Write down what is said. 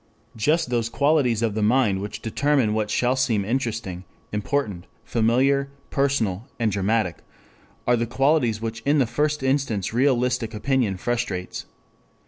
Just those qualities of the mind which determine what shall seem interesting, important, familiar, personal, and dramatic, are the qualities which in the first instance realistic opinion frustrates.